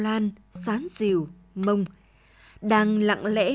và thật sự một ngày sống tốt